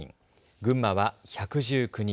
群馬は１１９人。